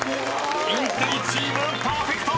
インテリチームパーフェクト！］